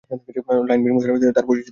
লাঈছ bin মোশানও ছিল তার পরিচিত ব্যক্তি।